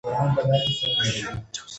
موږ به یو سوکاله هېواد ولرو.